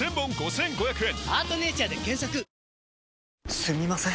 すみません